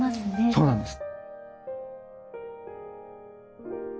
そうなんです。